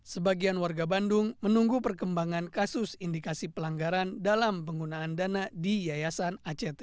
sebagian warga bandung menunggu perkembangan kasus indikasi pelanggaran dalam penggunaan dana di yayasan act